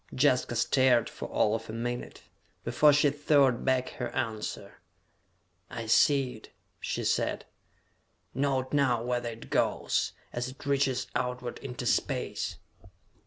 Jaska stared for all of a minute, before she thought back her answer. "I see it," she said. "Note now whether it goes, as it reaches outward into Space!"